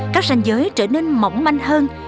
các ranh giới trở nên mỏng manh hơn